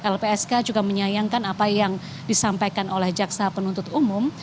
lpsk juga menyayangkan apa yang disampaikan oleh jaksa penuntut umum